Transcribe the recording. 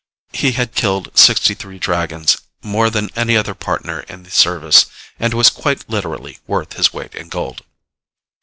He had killed sixty three Dragons, more than any other Partner in the service, and was quite literally worth his weight in gold.